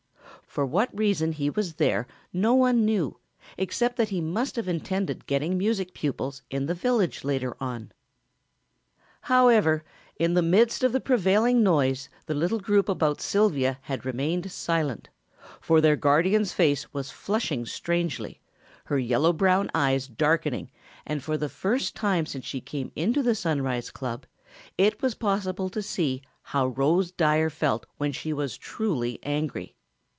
For what reason he was there no one knew except that he must have intended getting music pupils in the village later on. However, in the midst of the prevailing noise the little group about Sylvia had remained silent, for their guardian's face was flushing strangely, her yellow brown eyes darkening and for the first time since she came into the Sunrise Club it was possible to see how Rose Dyer felt when she was truly angry.